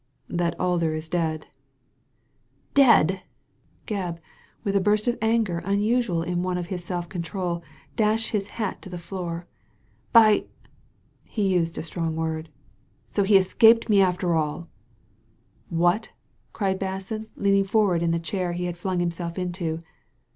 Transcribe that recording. That Alder is dead." " Dead !" Gebb, with a burst of anger unusual in one of his self*control, dashed his hat on the floor. " By !" he used a strong word, so he has escaped me after all I "" What I " cried Basson, leaning forward in the chair he had flung himself into.